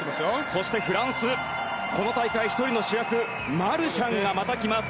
そしてフランスこの大会、１人の主役マルシャンがまた来ます。